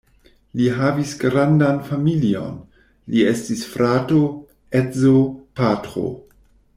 Li havis grandan familion: li estis frato, edzo, patro.